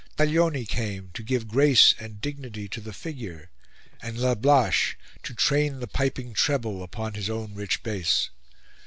Taglioni came, to give grace and dignity to the figure, and Lablache, to train the piping treble upon his own rich bass.